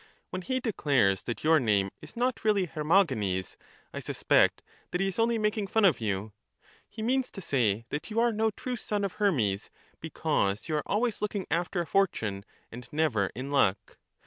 When he declares that your name is not really Hermogenes, I suspect that he is only making fun of you; — he means to say that you are no true son of Hermes, because you are always looking after a fortune and never in luck.